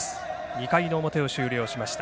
２回の表を終了しました。